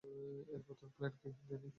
এরপর তোর প্ল্যান কী, ড্যানি?